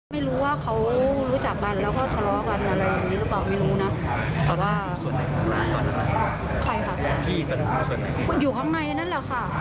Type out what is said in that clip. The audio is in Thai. ไม่รู้ว่าเขารู้จักบันแล้วก็ทะเลากันอะไรอย่างนี้หรือเปล่า